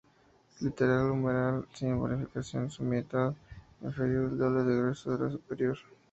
Linea humeral sin bifurcación, su mitad inferior el doble de grueso de la superior.